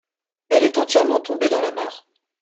Elle est entièrement tombée dans la mare.